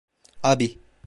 Abi.